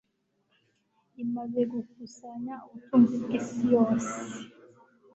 Imaze gukusanya ubutunzi bw'isi yose